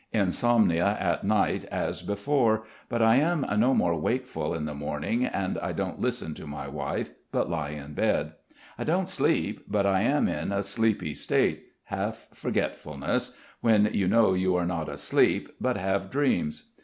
Insomnia at night as before, but I am no more wakeful in the morning and don't listen to my wife, but lie in bed. I don't sleep, but I am in a sleepy state, half forgetfulness, when you know you are not asleep, but have dreams.